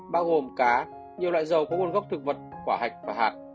bao gồm cá nhiều loại dầu có nguồn gốc thực vật quả hạch và hạt